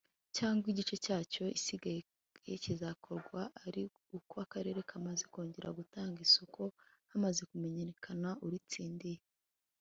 cyangwa igice cyacyo isigaye kikazakorwa ari uko Akarere kamaze kongera gutanga isoko hamaze kumenyekana uritsindiye.